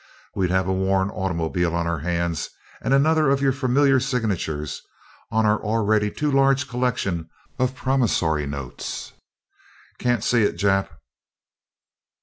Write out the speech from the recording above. We'd have a worn automobile on our hands and another of your familiar signatures on our already too large collection of promissory notes. Can't see it, Jap."